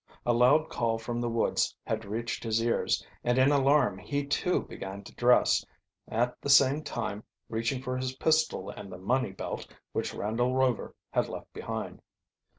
A loud call from the woods had reached his ears, and in alarm he too began to dress, at the same time reaching for his pistol and the money belt which Randolph Rover had left behind.